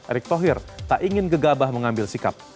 erick thohir tak ingin gegabah mengambil sikap